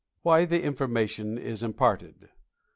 WHY THE INFORMATION IS IMPARTED.